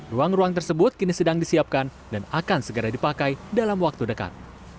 ruang ruang tersebut kini sedang disiapkan dan akan segera dipakai dalam waktu dekat